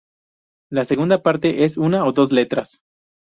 La segunda parte es una o dos letras.